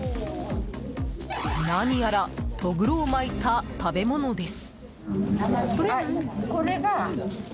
何やらとぐろを巻いた食べ物です。